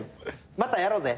またやろうぜ。